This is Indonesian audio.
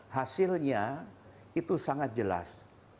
hasilnya itu sangat jelas